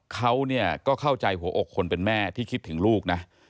เขาก็เข้าใจหัวอกคนเป็นแม่ที่คิดถึงลูกนะ